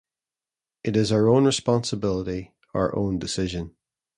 It is our own responsibility, our own decision.